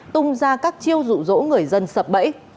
tung ra các chiêu rụ rỗ người dân sập bẫy